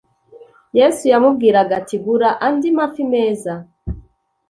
yesu yamubwiraga ati gura andi mafi meza